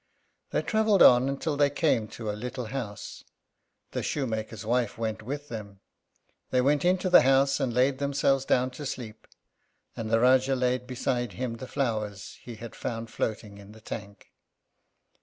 They travelled on till they came to a little house. The shoemaker's wife went with them. They went into the house and laid themselves down to sleep, and the Rájá laid beside him the flowers he had found floating in the tank.